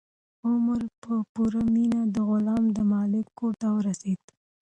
عمر په پوره مینه د غلام د مالک کور ته ورسېد.